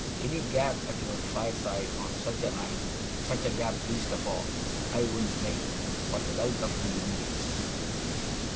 Any gap at your fireside on such a night such a gap least of all I wouldn't make, for the wealth of the Indies!